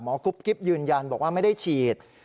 หมอกรุ๊ปกริปยืนยันบอกว่าไม่ได้ฉีด